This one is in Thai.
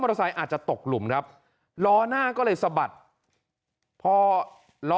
เตอร์ไซค์อาจจะตกหลุมครับล้อหน้าก็เลยสะบัดพอล้อ